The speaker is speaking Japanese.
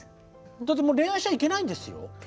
だってもう恋愛しちゃいけないんですよ。